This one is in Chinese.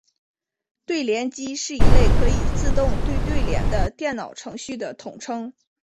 对联机是一类可以自动对对联的电脑程序的统称。